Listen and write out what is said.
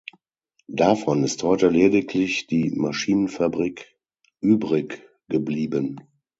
Davon ist heute lediglich die Maschinenfabrik übrig geblieben.